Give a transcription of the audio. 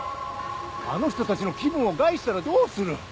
あの人たちの気分を害したらどうする！